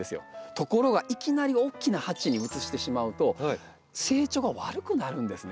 ところがいきなり大きな鉢に移してしまうと成長が悪くなるんですね。